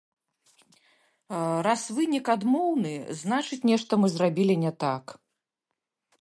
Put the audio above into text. Раз вынік адмоўны, значыць, нешта мы зрабілі не так.